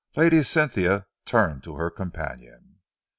Lady Cynthia turned to her companion.